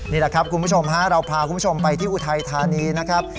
นี่แหละครับคุณผู้ชมฮะเราพาคุณผู้ชมไปที่อุทัยธานีนะครับ